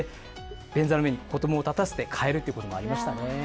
便座の上に子どもを立たせて替えるっていうこともありましたね。